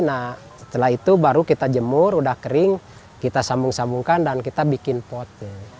nah setelah itu baru kita jemur udah kering kita sambung sambungkan dan kita bikin pot